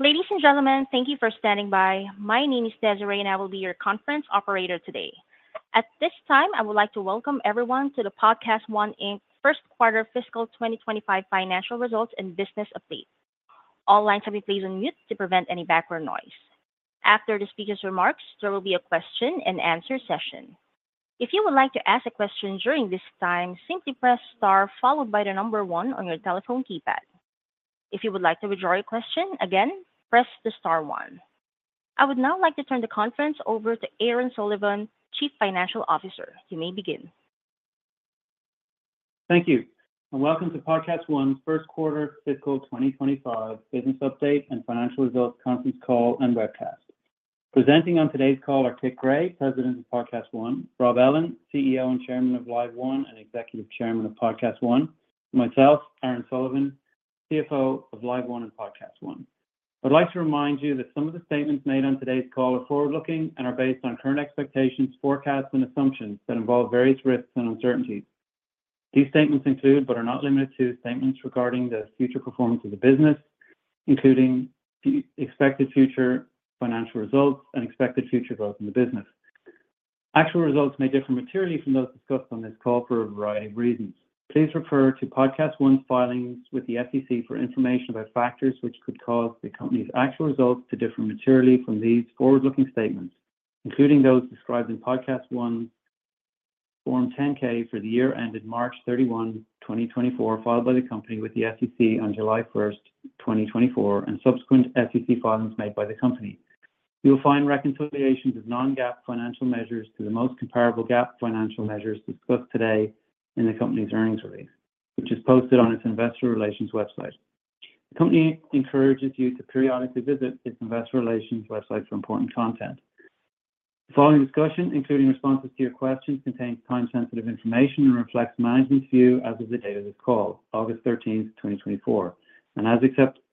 Ladies and gentlemen, thank you for standing by. My name is Desiree, and I will be your conference operator today. At this time, I would like to welcome everyone to the PodcastOne Inc. First Quarter Fiscal 2025 Financial Results and Business Update. All lines have been placed on mute to prevent any background noise. After the speaker's remarks, there will be a question and answer session. If you would like to ask a question during this time, simply press Star followed by the number one on your telephone keypad. If you would like to withdraw your question, again, press the Star one. I would now like to turn the conference over to Aaron Sullivan, Chief Financial Officer. You may begin. Thank you, and welcome to PodcastOne First Quarter Fiscal 2025 Business Update and Financial Results Conference Call and Webcast. Presenting on today's call are Kit Gray, President of PodcastOne; Rob Ellin, CEO and Chairman of LiveOne and Executive Chairman of PodcastOne; myself, Aaron Sullivan, CFO of LiveOne and PodcastOne. I'd like to remind you that some of the statements made on today's call are forward-looking and are based on current expectations, forecasts, and assumptions that involve various risks and uncertainties. These statements include, but are not limited to, statements regarding the future performance of the business, including the expected future financial results and expected future growth in the business. Actual results may differ materially from those discussed on this call for a variety of reasons. Please refer to PodcastOne's filings with the SEC for information about factors which could cause the company's actual results to differ materially from these forward-looking statements, including those described in PodcastOne's Form 10-K for the year ended March 31, 2024, filed by the company with the SEC on July 1, 2024, and subsequent SEC filings made by the company. You'll find reconciliations of non-GAAP financial measures to the most comparable GAAP financial measures discussed today in the company's earnings release, which is posted on its investor relations website. The company encourages you to periodically visit its investor relations website for important content. The following discussion, including responses to your questions, contains time-sensitive information and reflects management's view as of the date of this call, August 13, 2024.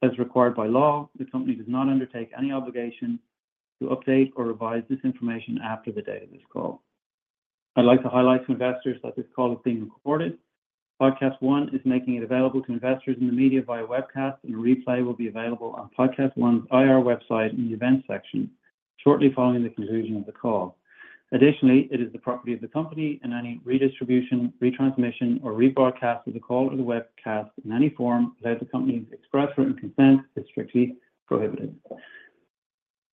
As required by law, the company does not undertake any obligation to update or revise this information after the date of this call. I'd like to highlight to investors that this call is being recorded. PodcastOne is making it available to investors in the media via webcast, and a replay will be available on PodcastOne's IR website in the Events section shortly following the conclusion of the call. Additionally, it is the property of the company, and any redistribution, retransmission, or rebroadcast of the call or the webcast in any form, without the company's express written consent, is strictly prohibited.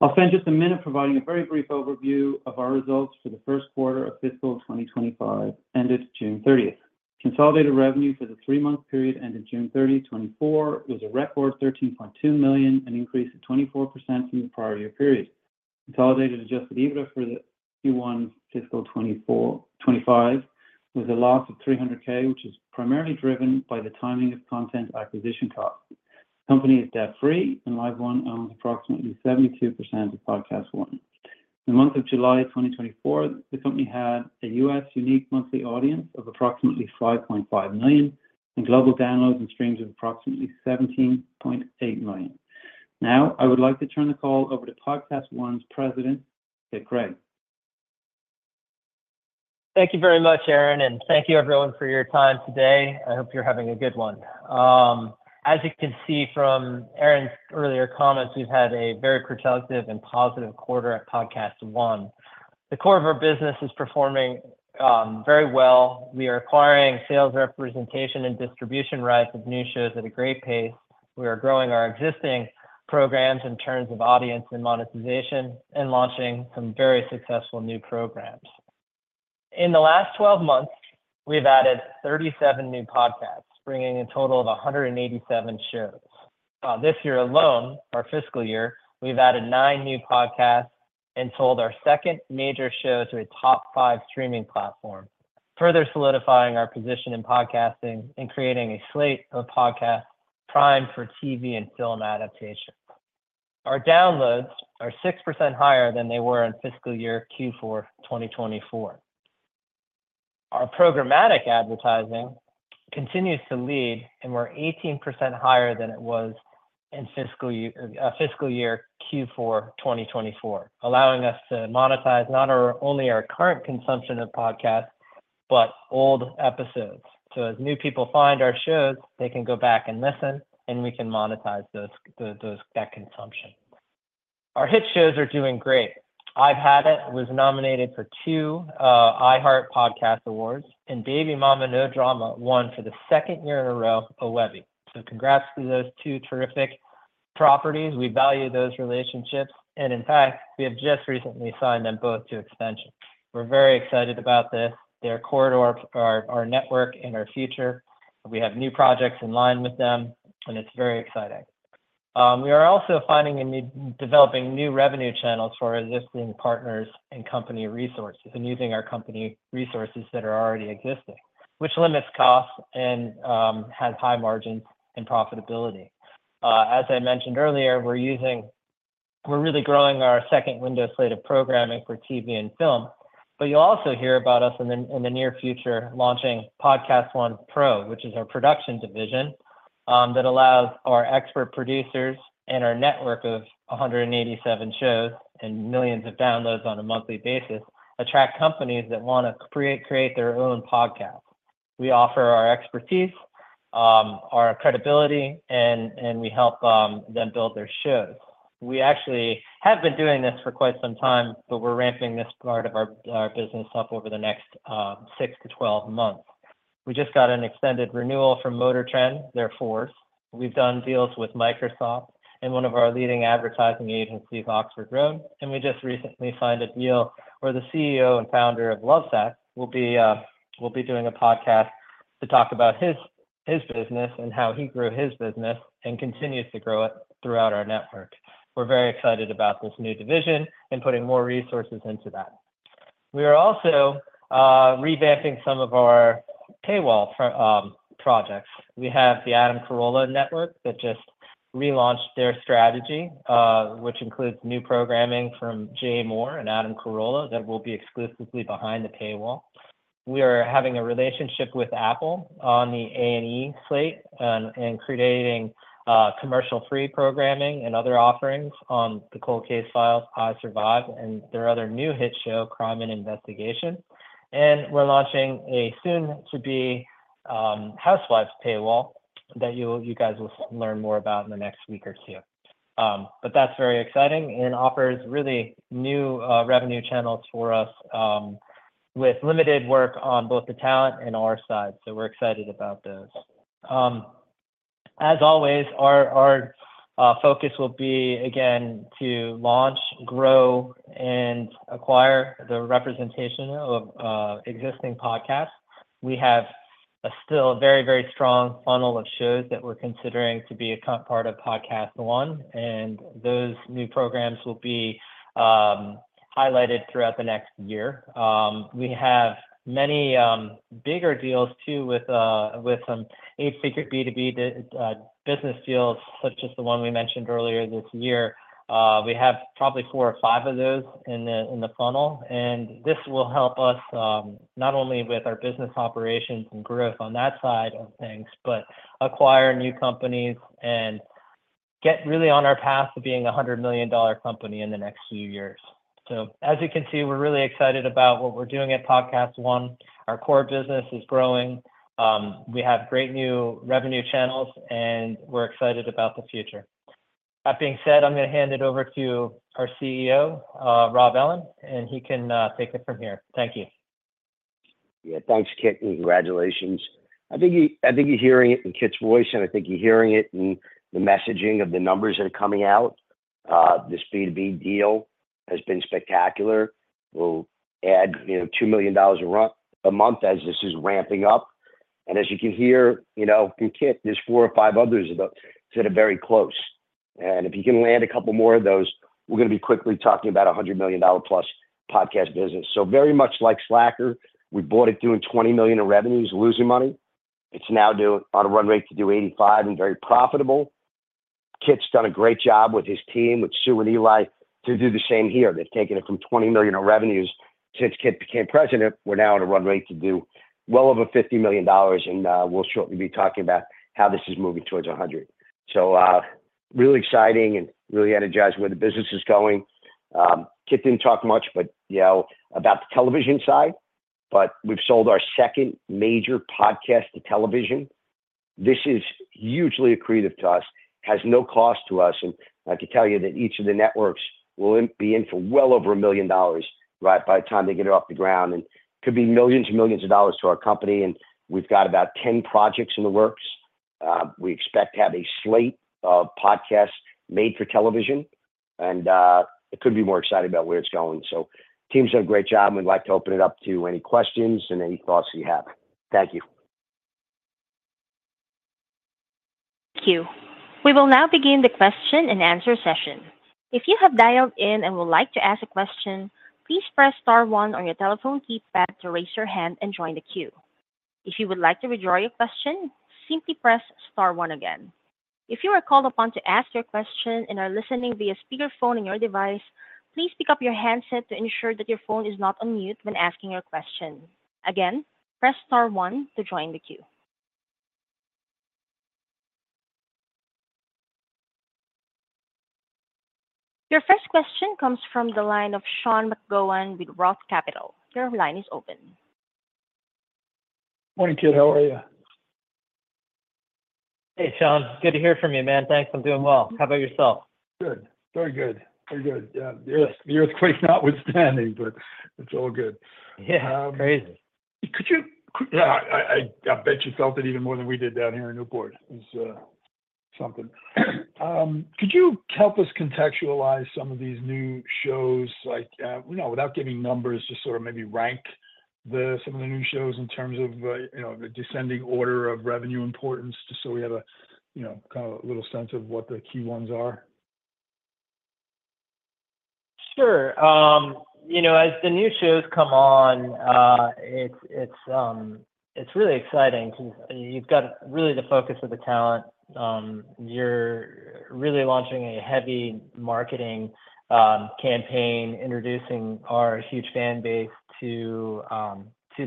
I'll spend just a minute providing a very brief overview of our results for the first quarter of fiscal 2025, ended June 30. Consolidated revenue for the three-month period ended June 30, 2024, was a record $13.2 million, an increase of 24% from the prior year period. Consolidated Adjusted EBITDA for the Q1 fiscal 2024-2025 was a loss of $300,000, which is primarily driven by the timing of content acquisition costs. The company is debt-free, and LiveOne owns approximately 72% of PodcastOne. In the month of July 2024, the company had a U.S. unique monthly audience of approximately 5.5 million, and global downloads and streams of approximately 17.8 million. Now, I would like to turn the call over to PodcastOne's president, Kit Gray. Thank you very much, Aaron, and thank you everyone for your time today. I hope you're having a good one. As you can see from Aaron's earlier comments, we've had a very productive and positive quarter at PodcastOne. The core of our business is performing very well. We are acquiring sales representation and distribution rights of new shows at a great pace. We are growing our existing programs in terms of audience and monetization, and launching some very successful new programs. In the last 12 months, we've added 37 new podcasts, bringing a total of 187 shows. This year alone, our fiscal year, we've added nine new podcasts and sold our second major show to a top five streaming platform, further solidifying our position in podcasting and creating a slate of podcasts primed for TV and film adaptation. Our downloads are 6% higher than they were in fiscal year Q4, 2024. Our programmatic advertising continues to lead, and we're 18% higher than it was in fiscal year Q4, 2024, allowing us to monetize not only our current consumption of podcasts, but old episodes. So as new people find our shows, they can go back and listen, and we can monetize that consumption. Our hit shows are doing great. I've Had It! was nominated for 2 iHeart Podcast Awards, and Baby Mamas No Drama! won for the second year in a row, a Webby. So congrats to those 2 terrific properties. We value those relationships, and in fact, we have just recently signed them both to extension. We're very excited about this. They are core to our network and our future. We have new projects in line with them, and it's very exciting. We are also developing new revenue channels for our existing partners and company resources, and using our company resources that are already existing, which limits costs and has high margins and profitability. As I mentioned earlier, we're really growing our second window slate of programming for TV and film, but you'll also hear about us in the near future launching PodcastOne PRO, which is our production division that allows our expert producers and our network of 187 shows and millions of downloads on a monthly basis attract companies that wanna create their own podcasts. We offer our expertise, our credibility, and we help them build their shows. We actually have been doing this for quite some time, but we're ramping this part of our business up over the next 6-12 months. We just got an extended renewal from MotorTrend, their fourth. We've done deals with Microsoft and one of our leading advertising agencies, Oxford Road, and we just recently signed a deal where the CEO and founder of Lovesac will be doing a podcast to talk about his business and how he grew his business and continues to grow it throughout our network. We're very excited about this new division and putting more resources into that. We are also revamping some of our paywall projects. We have the Adam Carolla network that just relaunched their strategy, which includes new programming from Jay Mohr and Adam Carolla that will be exclusively behind the paywall. We are having a relationship with Apple on the A&E slate, and creating commercial-free programming and other offerings on the Cold Case Files, I Survived, and their other new hit show, Crime + Investigation. We're launching a soon-to-be Housewives paywall that you guys will learn more about in the next week or two. But that's very exciting and offers really new revenue channels for us with limited work on both the talent and our side, so we're excited about those. As always, our focus will be again to launch, grow, and acquire the representation of existing podcasts. We have a still very, very strong funnel of shows that we're considering to be a part of PodcastOne, and those new programs will be highlighted throughout the next year. We have many bigger deals too, with with some eight-figure B2B business deals, such as the one we mentioned earlier this year. We have probably four or five of those in the funnel, and this will help us not only with our business operations and growth on that side of things, but acquire new companies and get really on our path to being a $100 million company in the next few years. So as you can see, we're really excited about what we're doing at PodcastOne. Our core business is growing. We have great new revenue channels, and we're excited about the future. That being said, I'm gonna hand it over to our CEO, Rob Ellin, and he can take it from here. Thank you. Yeah. Thanks, Kit, and congratulations. I think you're hearing it in Kit's voice, and I think you're hearing it in the messaging of the numbers that are coming out. This B2B deal has been spectacular. We'll add, you know, $2 million a run-rate a month as this is ramping up. And as you can hear, you know, from Kit, there's four or five others that are very close. And if you can land a couple more of those, we're gonna be quickly talking about a $100 million+ podcast business. So very much like Slacker, we bought it doing $20 million in revenues, losing money. It's now doing, on a run-rate to do $85 million and very profitable. Kit's done a great job with his team, with Sue and Eli, to do the same here. They've taken it from $20 million in revenues. Since Kit became president, we're now on a run rate to do well over $50 million, and we'll shortly be talking about how this is moving towards $100 million. So, really exciting and really energized where the business is going. Kit didn't talk much, but you know, about the television side, but we've sold our second major podcast to television. This is hugely accretive to us, has no cost to us, and I can tell you that each of the networks will be in for well over $1 million right by the time they get it off the ground, and could be millions and millions of dollars to our company, and we've got about 10 projects in the works. We expect to have a slate of podcasts made for television, and it couldn't be more excited about where it's going. So, team's done a great job, and we'd like to open it up to any questions and any thoughts that you have. Thank you. Thank you. We will now begin the question-and-answer session. If you have dialed in and would like to ask a question, please press star one on your telephone keypad to raise your hand and join the queue. If you would like to withdraw your question, simply press star one again. If you are called upon to ask your question and are listening via speakerphone on your device, please pick up your handset to ensure that your phone is not on mute when asking your question. Again, press star one to join the queue. Your first question comes from the line of Sean McGowan with Roth MKM. Your line is open. Morning, Kit. How are you? Hey, Sean. Good to hear from you, man. Thanks. I'm doing well. How about yourself? Good. Very good. Very good. The earth, the earthquake notwithstanding, but it's all good. Yeah. Crazy. Yeah, I bet you felt it even more than we did down here in Newport. It was something. Could you help us contextualize some of these new shows, like, you know, without giving numbers, just sort of maybe rank some of the new shows in terms of, you know, the descending order of revenue importance, just so we have a, you know, kind of a little sense of what the key ones are? Sure. You know, as the new shows come on, it's really exciting. You've got really the focus of the talent. You're really launching a heavy marketing campaign, introducing our huge fan base to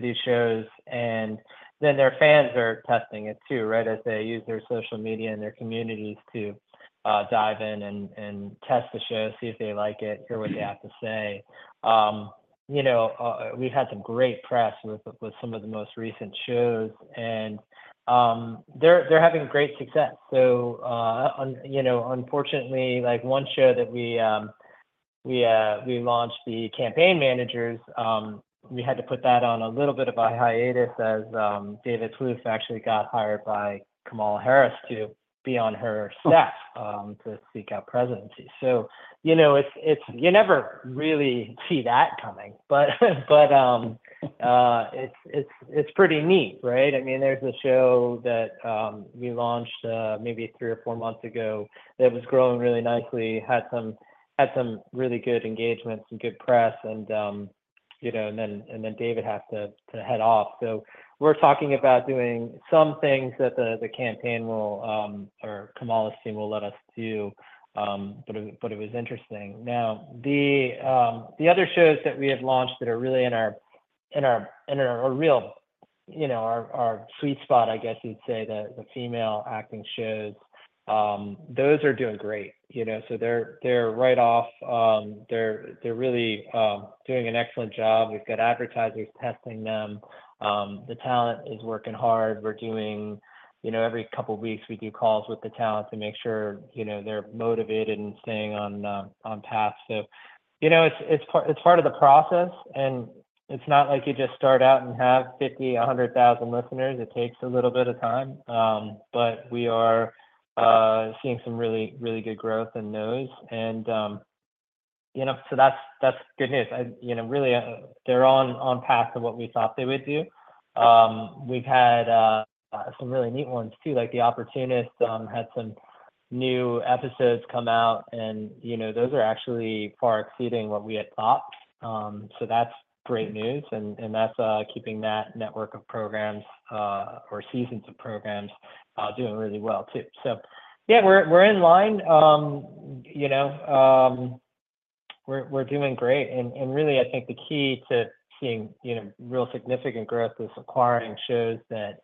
these shows, and then their fans are testing it too, right? As they use their social media and their communities to dive in and test the show, see if they like it, hear what they have to say. You know, we've had some great press with some of the most recent shows, and they're having great success. So, you know, unfortunately, like, one show that we launched, The Campaign Managers, we had to put that on a little bit of a hiatus as David Plouffe actually got hired by Kamala Harris to be on her staff to seek out presidency. So, you know, it's you never really see that coming, but it's pretty neat, right? I mean, there's a show that we launched maybe three or four months ago that was growing really nicely, had some really good engagements and good press and, you know, and then David had to head off. So we're talking about doing some things that the campaign or Kamala's team will let us do. But it was interesting. Now, the other shows that we have launched that are really in our, you know, our sweet spot, I guess you'd say, the female acting shows, those are doing great. You know, so they're right off, they're really doing an excellent job. We've got advertisers testing them. The talent is working hard. We're doing, you know, every couple of weeks, we do calls with the talent to make sure, you know, they're motivated and staying on path. So, you know, it's part of the process, and it's not like you just start out and have 50, 100,000 listeners. It takes a little bit of time. But we are seeing some really, really good growth in those and, you know, so that's good news. I... You know, really, they're on path to what we thought they would do. We've had some really neat ones, too. Like, The Opportunist had some new episodes come out, and, you know, those are actually far exceeding what we had thought. So that's great news, and that's keeping that network of programs or seasons of programs doing really well, too. So yeah, we're in line. You know, we're doing great. Really, I think the key to seeing, you know, real significant growth is acquiring shows that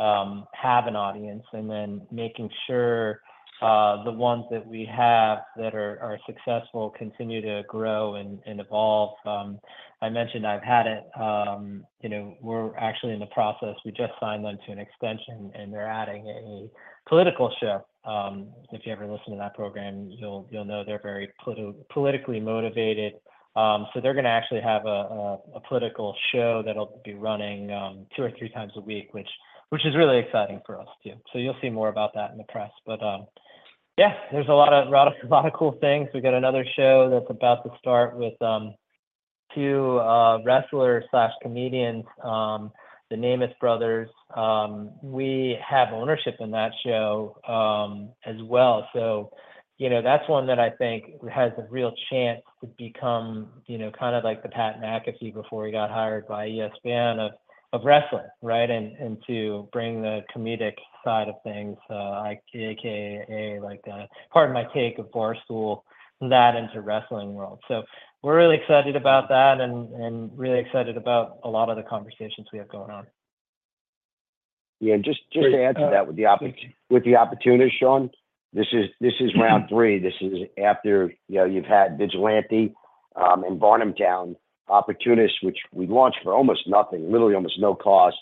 have an audience, and then making sure the ones that we have that are successful continue to grow and evolve. I mentioned I've Had It, you know, we're actually in the process. We just signed on to an extension, and they're adding a political show. If you ever listen to that program, you'll know they're very politically motivated. So they're gonna actually have a political show that'll be running two or three times a week, which is really exciting for us, too. So you'll see more about that in the press. But yeah, there's a lot of cool things. We got another show that's about to start with two wrestlers/comedians, the Nemeth brothers. We have ownership in that show as well. So, you know, that's one that I think has a real chance to become, you know, kind of like the Pat McAfee before he got hired by ESPN of wrestling, right? And to bring the comedic side of things, aka, like, Pardon My Take of Barstool, that into wrestling world. So we're really excited about that and really excited about a lot of the conversations we have going on. Yeah, just to add to that, with The Opportunist, Sean, this is round three. This is after, you know, you've had Vigilante and Varnamtown. Opportunist, which we launched for almost nothing, literally almost no cost,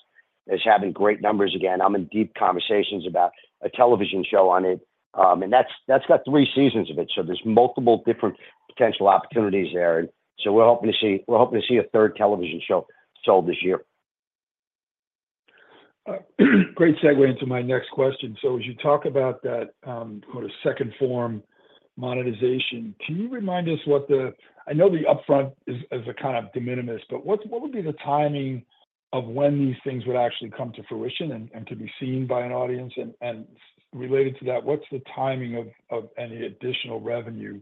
is having great numbers again. I'm in deep conversations about a television show on it. And that's got three seasons of it, so there's multiple different potential opportunities there. And so we're hoping to see a third television show sold this year. Great segue into my next question. So as you talk about that, sort of second form monetization, can you remind us what the I know the upfront is, is a kind of de minimis, but what's, what would be the timing of when these things would actually come to fruition and, and to be seen by an audience? And, and related to that, what's the timing of, of any additional revenue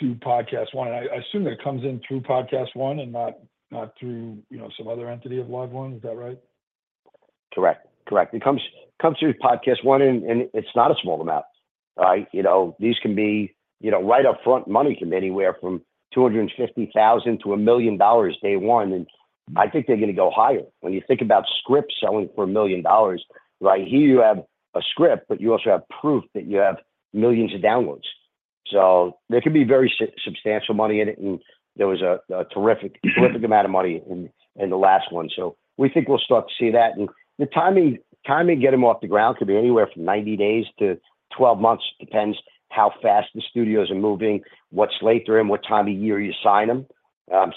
to PodcastOne? I, I assume that comes in through PodcastOne and not, not through, you know, some other entity of LiveOne. Is that right? Correct. It comes through PodcastOne, and it's not a small amount. Right? You know, these can be, you know, right up front, money from anywhere from $250,000-$1 million, day one, and I think they're gonna go higher. When you think about scripts selling for $1 million, right? Here you have a script, but you also have proof that you have millions of downloads. So there could be very substantial money in it, and there was a terrific amount of money in the last one. So we think we'll start to see that. And the timing to get them off the ground could be anywhere from 90 days to 12 months. Depends how fast the studios are moving, what slate they're in, what time of year you sign them.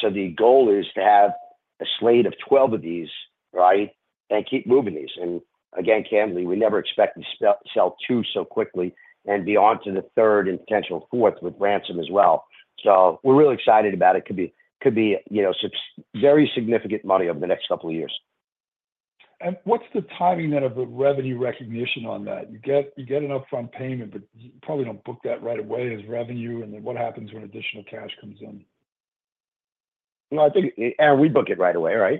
So the goal is to have a slate of 12 of these, right? And keep moving these. And again, Camley, we never expected to sell 2 so quickly and be on to the third and potential fourth with Ransom as well. So we're really excited about it. Could be, could be, you know, substantial very significant money over the next couple of years. What's the timing then of the revenue recognition on that? You get, you get an upfront payment, but you probably don't book that right away as revenue, and then what happens when additional cash comes in? No, I think, we book it right away, right?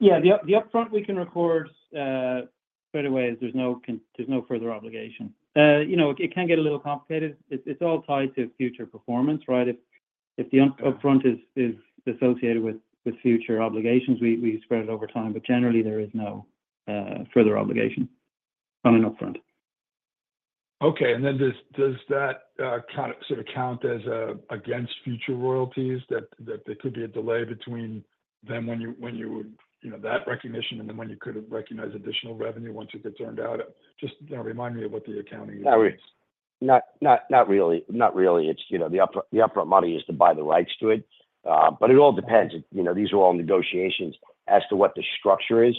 Yeah, the upfront we can record right away, there's no further obligation. You know, it can get a little complicated. It's all tied to future performance, right? If the upfront is associated with future obligations, we spread it over time, but generally, there is no further obligation on an upfront. Okay. And then does, does that, kind of, sort of count as, against future royalties, that, that there could be a delay between then when you, when you, you know, that recognition and then when you could've recognized additional revenue once it gets earned out? Just, you know, remind me of what the accounting is. Not really. Not really. It's, you know, the upfront, the upfront money is to buy the rights to it. But it all depends, you know, these are all negotiations as to what the structure is,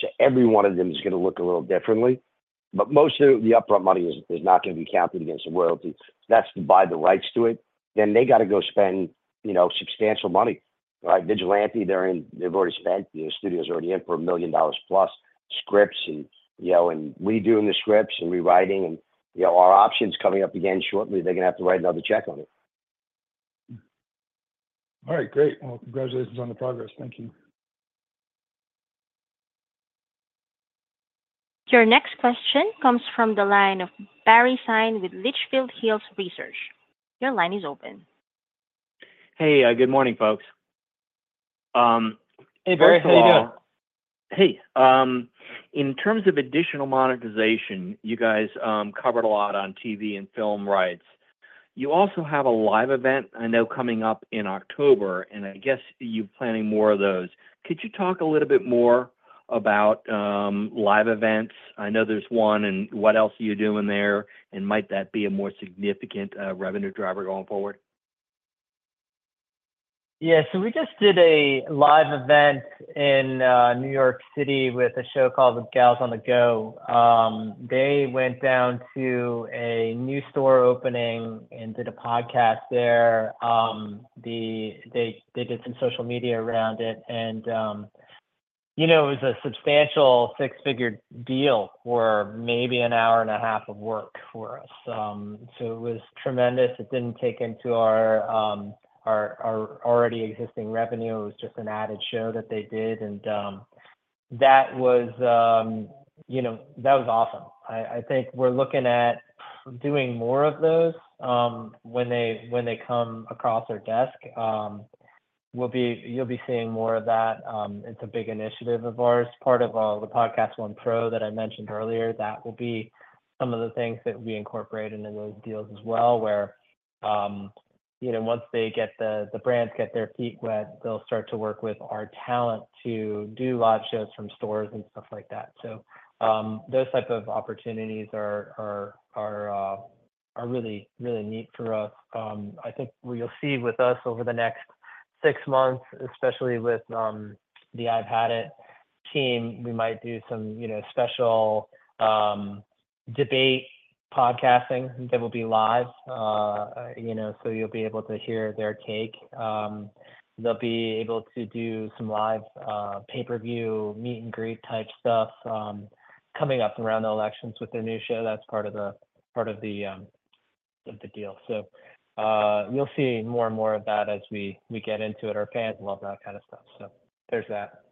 so every one of them is gonna look a little differently. But most of the upfront money is not gonna be counted against the royalty. That's to buy the rights to it, then they gotta go spend, you know, substantial money, right? Vigilante, they've already spent, the studio's already in for $1 million plus. Scripts and, you know, and redoing the scripts, and rewriting, and, you know, our options coming up again shortly, they're gonna have to write another check on it. All right, great. Well, congratulations on the progress. Thank you. Your next question comes from the line of Barry Sine with Litchfield Hills Research. Your line is open. Hey, good morning, folks. First of all- Hey, Barry, how you doing? Hey, in terms of additional monetization, you guys covered a lot on TV and film rights. You also have a live event, I know, coming up in October, and I guess you're planning more of those. Could you talk a little bit more about live events? I know there's one, and what else are you doing there, and might that be a more significant revenue driver going forward? Yeah, so we just did a live event in New York City with a show called The Gals on the Go. They went down to a new store opening and did a podcast there. They did some social media around it, and you know, it was a substantial six-figure deal for maybe an hour and a half of work for us. So it was tremendous. It didn't take into our already existing revenue. It was just an added show that they did, and that was, you know, that was awesome. I think we're looking at doing more of those when they come across our desk. We'll be-- you'll be seeing more of that. It's a big initiative of ours, part of the PodcastOne PRO that I mentioned earlier. That will be some of the things that we incorporate into those deals as well, where, you know, once the brands get their feet wet, they'll start to work with our talent to do live shows from stores and stuff like that. So, those type of opportunities are really, really neat for us. I think what you'll see with us over the next six months, especially with the I've Had It team, we might do some, you know, special debate podcasting that will be live. You know, so you'll be able to hear their take. They'll be able to do some live pay-per-view, meet-and-greet-type stuff coming up around the elections with their new show. That's part of the deal. So, you'll see more and more of that as we get into it. Our fans love that kind of stuff, so there's that.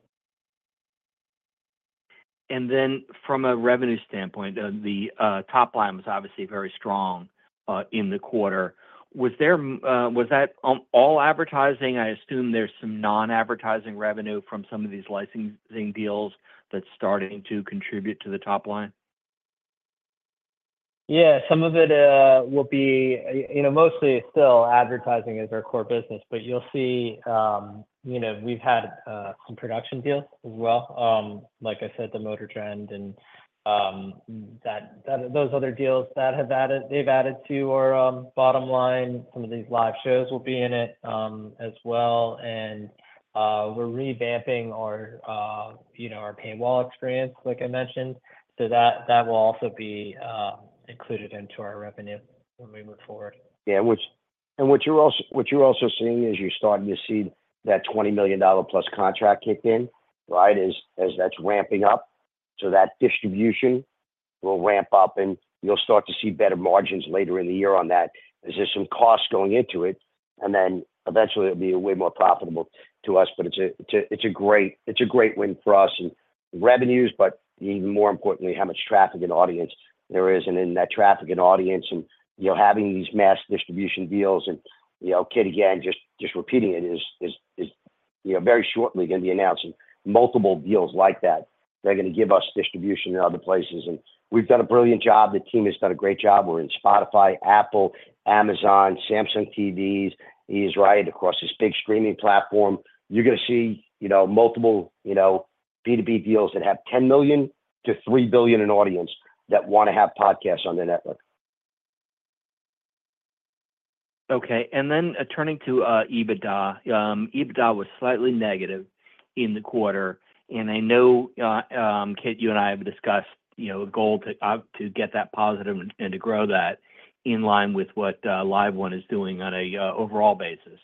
And then from a revenue standpoint, the top line was obviously very strong in the quarter. Was that all advertising? I assume there's some non-advertising revenue from some of these licensing deals that's starting to contribute to the top line. Yeah, some of it will be... You know, mostly, still advertising is our core business, but you'll see, you know, we've had some production deals as well. Like I said, the MotorTrend and those other deals that have added, they've added to our bottom line. Some of these live shows will be in it as well. And we're revamping our, you know, our paywall experience, like I mentioned. So that will also be included into our revenue when we move forward. Yeah, what you're also seeing is you're starting to see that $20 million-plus contract kick in, right? As that's ramping up, so that distribution will ramp up, and you'll start to see better margins later in the year on that. There's some costs going into it, and then eventually, it'll be way more profitable to us. But it's a great win for us in revenues, but even more importantly, how much traffic and audience there is. And in that traffic and audience you know, having these mass distribution deals and, you know, Kit, again, just repeating it, is, you know, very shortly gonna be announcing multiple deals like that. They're gonna give us distribution in other places, and we've done a brilliant job. The team has done a great job. We're in Spotify, Apple, Amazon, Samsung TVs, he's right across this big streaming platform. You're gonna see, you know, multiple, you know, B2B deals that have 10 million-3 billion in audience that wanna have podcasts on their network. Okay, and then turning to EBITDA. EBITDA was slightly negative in the quarter, and I know, Kit, you and I have discussed, you know, a goal to to get that positive and, and to grow that in line with what LiveOne is doing on a overall basis.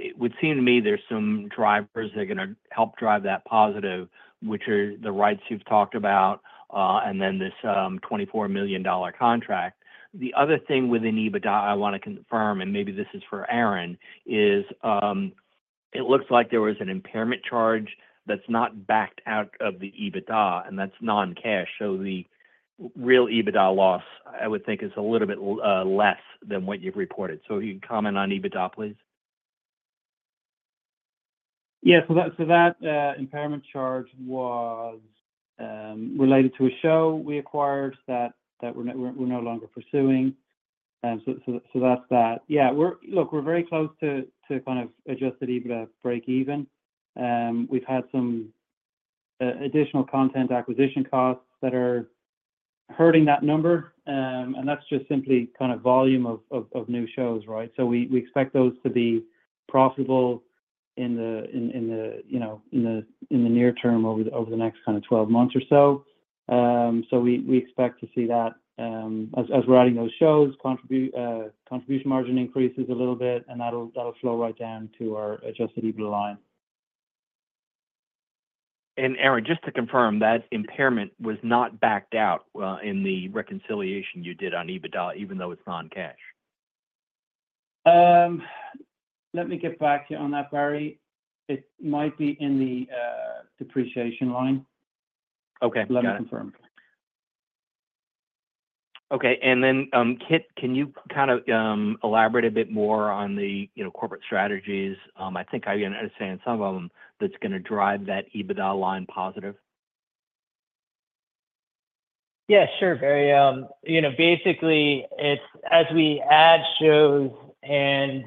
It would seem to me there's some drivers that are gonna help drive that positive, which are the rights you've talked about, and then this $24 million contract. The other thing within EBITDA I want to confirm, and maybe this is for Aaron, is. It looks like there was an impairment charge that's not backed out of the EBITDA, and that's non-cash. So the real EBITDA loss, I would think, is a little bit less than what you've reported. So can you comment on EBITDA, please? Yeah. So that impairment charge was related to a show we acquired that we're no longer pursuing. And so that's that. Yeah, we're, look, we're very close to kind of Adjusted EBITDA break even. We've had some additional content acquisition costs that are hurting that number. And that's just simply kind of volume of new shows, right? So we expect those to be profitable in the, you know, in the near term, over the next kind of 12 months or so. So we expect to see that as we're adding those shows, Contribution Margin increases a little bit, and that'll flow right down to our Adjusted EBITDA line. Aaron, just to confirm, that impairment was not backed out, in the reconciliation you did on EBITDA, even though it's non-cash? Let me get back to you on that, Barry. It might be in the depreciation line. Okay, got it. Let me confirm. Okay. And then, Kit, can you kind of elaborate a bit more on the, you know, corporate strategies? I think I understand some of them that's gonna drive that EBITDA line positive. Yeah, sure, Barry. You know, basically, it's as we add shows and,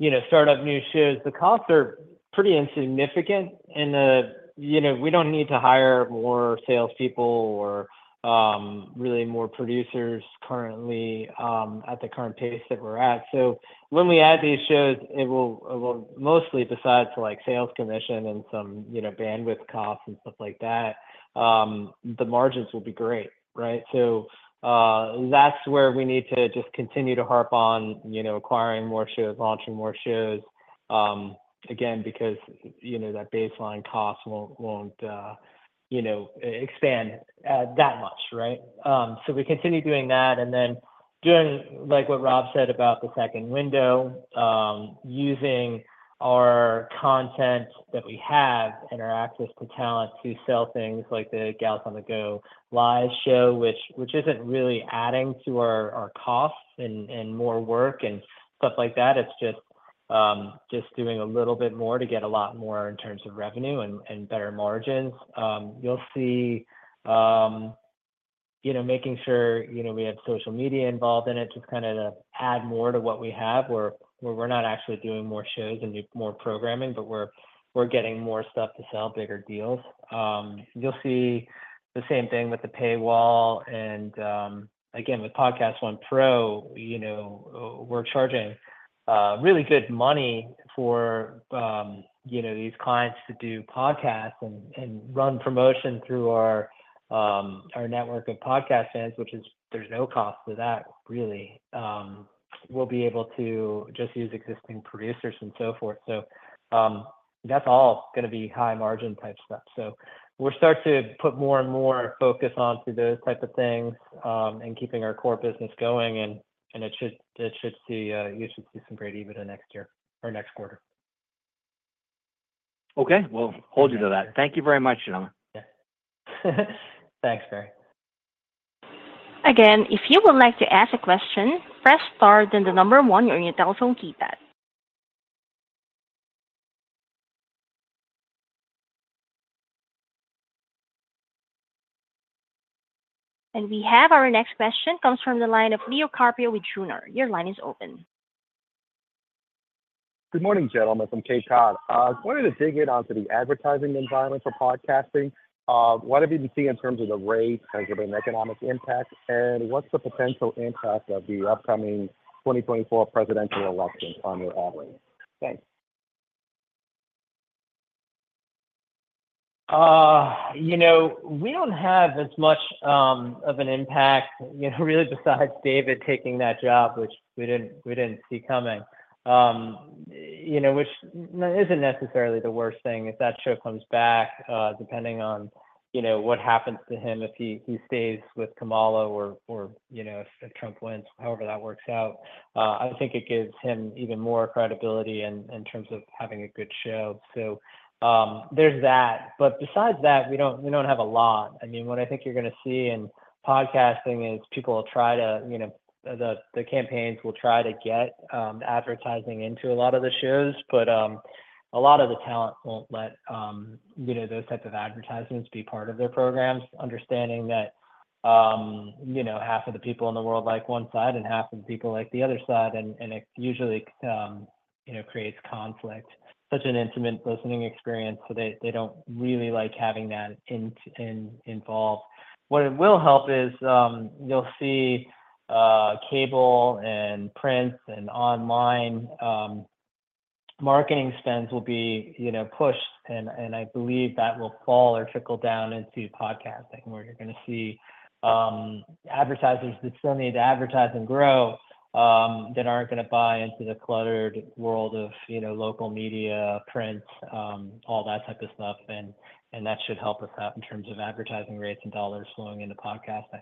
you know, start up new shows, the costs are pretty insignificant in the... You know, we don't need to hire more salespeople or, really more producers currently, at the current pace that we're at. So when we add these shows, it will, it will mostly besides for like sales commission and some, you know, bandwidth costs and stuff like that, the margins will be great, right? So, that's where we need to just continue to harp on, you know, acquiring more shows, launching more shows. Again, because, you know, that baseline cost won't, won't, you know, expand, that much, right? So we continue doing that, and then doing, like what Rob said about the second window, using our content that we have and our access to talent to sell things like the Gals on the Go Live show, which isn't really adding to our costs and more work and stuff like that. It's just doing a little bit more to get a lot more in terms of revenue and better margins. You'll see, you know, making sure, you know, we have social media involved in it, just kind of to add more to what we have, where we're not actually doing more shows and more programming, but we're getting more stuff to sell, bigger deals. You'll see the same thing with the paywall and, again, with PodcastOne PRO, you know, we're charging, really good money for, you know, these clients to do podcasts and run promotion through our, our network of podcast fans, which is—there's no cost to that, really. We'll be able to just use existing producers and so forth. So, that's all gonna be high-margin-type stuff. So we're start to put more and more focus on to those type of things, and keeping our core business going, and it should see, you should see some great EBITDA next year or next quarter. Okay. We'll hold you to that. Thank you very much, gentlemen. Thanks, Barry. Again, if you would like to ask a question, press star, then the number one on your telephone keypad. And we have our next question, comes from the line of Leo Carpio with Joseph Gunnar & Co. Your line is open. Good morning, gentlemen. From Cape Cod. I wanted to dig in on to the advertising environment for podcasting. What have you been seeing in terms of the rates and the economic impact, and what's the potential impact of the upcoming 2024 presidential election on your ad line? Thanks. You know, we don't have as much of an impact, you know, really besides David taking that job, which we didn't, we didn't see coming. You know, which isn't necessarily the worst thing if that show comes back, depending on, you know, what happens to him, if he, he stays with Kamala or, or, you know, if Trump wins, however that works out. I think it gives him even more credibility in terms of having a good show. So, there's that. But besides that, we don't, we don't have a lot. I mean, what I think you're gonna see in podcasting is people will try to, you know... The campaigns will try to get advertising into a lot of the shows, but a lot of the talent won't let you know those types of advertisements be part of their programs, understanding that you know half of the people in the world like one side and half of the people like the other side, and it usually you know creates conflict. Such an intimate listening experience, so they don't really like having that in involved. What it will help is, you'll see, cable and print and online marketing spends will be, you know, pushed, and I believe that will fall or trickle down into podcasting, where you're gonna see, advertisers that still need to advertise and grow, that aren't gonna buy into the cluttered world of, you know, local media, print, all that type of stuff. And that should help us out in terms of advertising rates and dollars flowing into podcasting.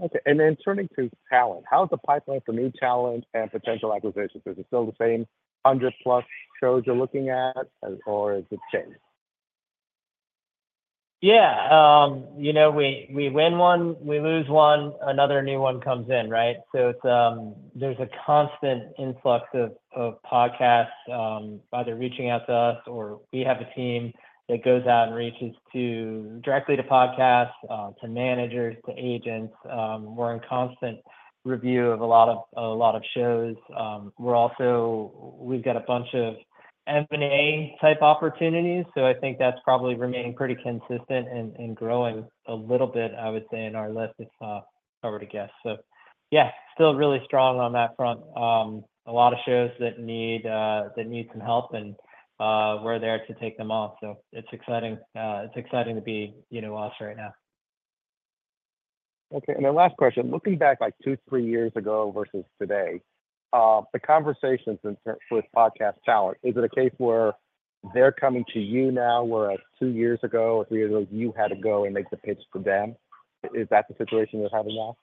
Okay, and then turning to talent, how is the pipeline for new talent and potential acquisitions? Is it still the same 100-plus shows you're looking at, or has it changed? Yeah, you know, we win one, we lose one, another new one comes in, right? So it's, there's a constant influx of podcasts, either reaching out to us or we have a team that goes out and reaches to, directly to podcasts, to managers, to agents. We're in constant review of a lot of shows. We're also. We've got a bunch of M&A-type opportunities, so I think that's probably remaining pretty consistent and growing a little bit, I would say, in our list, if I were to guess. So yeah, still really strong on that front. A lot of shows that need some help, and we're there to take them on. So it's exciting, it's exciting to be, you know, us right now. Okay, and then last question. Looking back, like, two, three years ago versus today, the conversations in terms with podcast talent, is it a case where they're coming to you now, whereas two years ago or three years ago, you had to go and make the pitch to them? Is that the situation you're having now?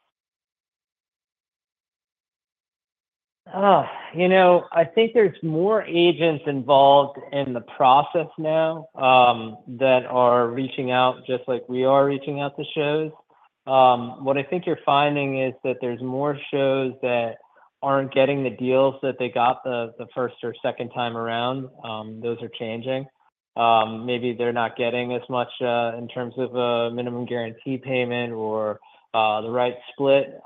Oh, you know, I think there's more agents involved in the process now, that are reaching out, just like we are reaching out to shows. What I think you're finding is that there's more shows that aren't getting the deals that they got the, the first or second time around. Those are changing. Maybe they're not getting as much, in terms of a minimum guarantee payment or, the right split.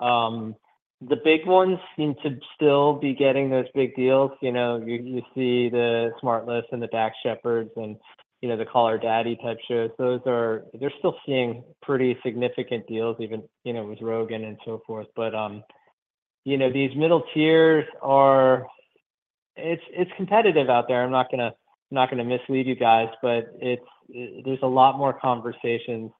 The big ones seem to still be getting those big deals. You know, you, you see the SmartLess and the Dax Shepard and, you know, the Call Her Daddy-type shows. Those are they're still seeing pretty significant deals even, you know, with Rogan and so forth. But, you know, these middle tiers are It's, it's competitive out there. I'm not gonna, I'm not gonna mislead you guys, but it's, there's a lot more conversations.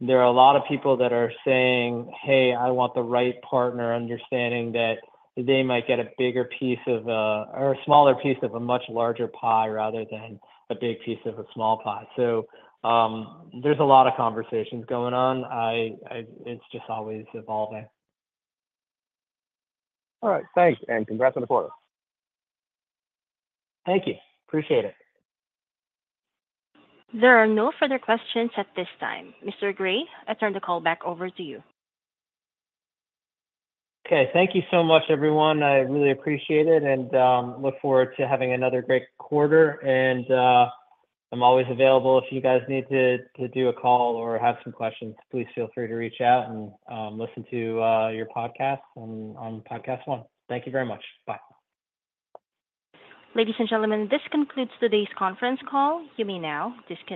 There are a lot of people that are saying, "Hey, I want the right partner," understanding that they might get a bigger piece of a, or a smaller piece of a much larger pie rather than a big piece of a small pie. So, there's a lot of conversations going on. I... It's just always evolving. All right, thanks, and congrats on the quarter. Thank you. Appreciate it. There are no further questions at this time. Mr. Gray, I turn the call back over to you. Okay, thank you so much, everyone. I really appreciate it, and look forward to having another great quarter. I'm always available if you guys need to do a call or have some questions. Please feel free to reach out and listen to your podcasts on PodcastOne. Thank you very much. Bye. Ladies and gentlemen, this concludes today's conference call. You may now disconnect.